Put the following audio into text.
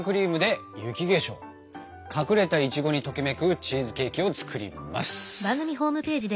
隠れたいちごにときめくチーズケーキを作ります。